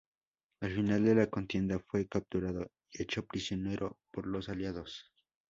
Al final de la contienda fue capturado y hecho prisionero por los aliados.